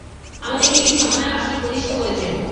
আমাদেরকে তিনি সম্মানের আসনে প্রতিষ্ঠিত করেছেন।